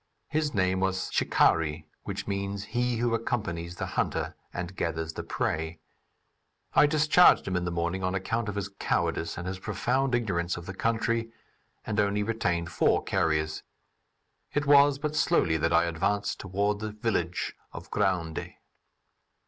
His name was "Chicari," which means "he who accompanies the hunter and gathers the prey." I discharged him in the morning on account of his cowardice and his profound ignorance of the country, and only retained four carriers. It was but slowly that I advanced toward the village of Gounde.